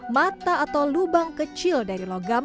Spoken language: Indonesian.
mata atau lubang kecil dari logam